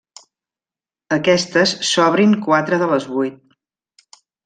Aquestes s'obrin quatre de les vuit.